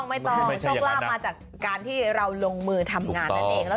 ไม่ต้องโชคลาภมาจากการที่เราลงมือทำงานนั่นเอง